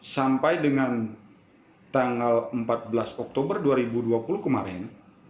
sampai dengan tanggal empat belas oktober dua ribu dua puluh kemarin